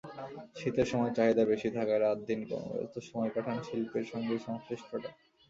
শীতের সময় চাহিদা বেশি থাকায় রাত-দিন কর্মব্যস্ত সময় কাটান শিল্পের সঙ্গে সংশ্লিষ্টরা।